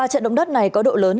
ba trận động đất này có độ lớn